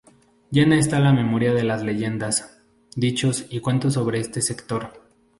Llena está la memoria de las leyendas, dichos y cuentos sobre este sector.